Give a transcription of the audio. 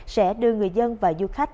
sẽ đưa người dân và du khách